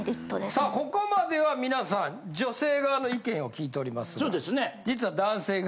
さあここまでは皆さん女性側の意見を聞いておりますが。